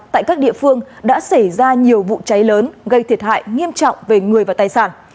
tại các địa phương đã xảy ra nhiều vụ cháy lớn gây thiệt hại nghiêm trọng về người và tài sản